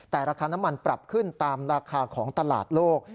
แต่ราคาน้ำมันปรับขึ้นตามราคาของตลาดโลก